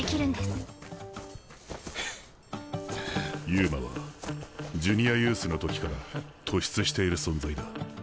遊馬はジュニアユースの時から突出している存在だ。